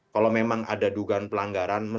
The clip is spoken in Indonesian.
kalau memang ada dugaan pelanggaran